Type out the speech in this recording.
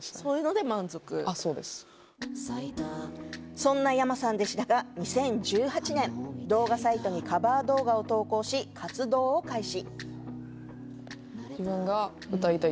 そんなｙａｍａさんでしたが、２０１８年、動画サイトにカバー動画を投稿し活動を開始。